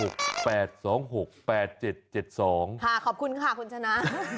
ขอบคุณค่ะคุณชนะ